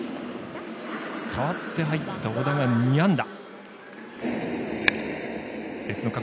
代わって入った小田が２安打。